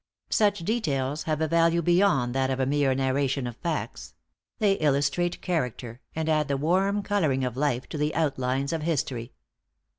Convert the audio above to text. Such details have a value beyond that of a mere narration of facts; they illustrate character, and add the warm coloring of life to the outlines of history.